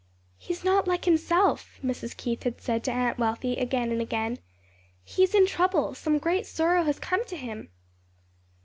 "He is not like himself," Mrs. Keith had said to Aunt Wealthy again and again; "he is in trouble, some great sorrow has come to him."